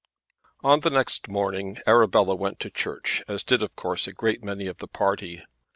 On the next morning Arabella went to church as did of course a great many of the party.